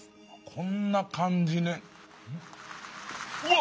こんな感じね。